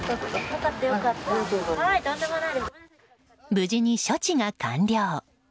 無事に処置が完了。